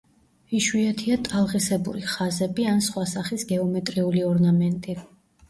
იშვიათია ტალღისებური ხაზები ან სხვა სახის გეომეტრიული ორნამენტი.